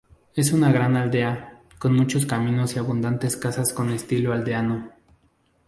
Es una gran aldea, con muchos caminos y abundantes casas con estilo aldeano.